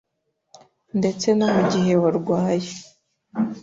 ndetse no mu gihe warwaye